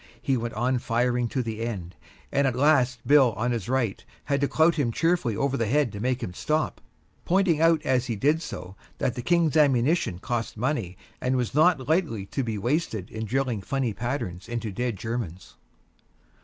He went on firing to the end, and at last Bill on his right had to clout him cheerfully over the head to make him stop, pointing out as he did so that the King's ammunition cost money and was not lightly to be wasted in drilling funny patterns into dead Germans.